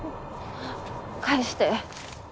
返して。